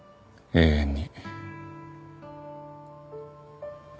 永遠に。